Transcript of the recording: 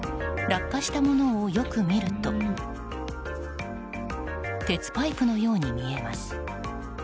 落下したものをよく見ると鉄パイプのように見えます。